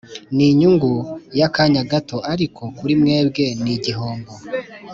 ni inyungu y’akanya gato ariko kuri mwebwe ni igihombo